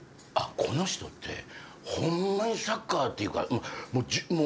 この人ってホンマにサッカーっていうか。